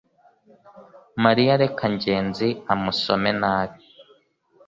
mariya reka ngenzi amusome nabi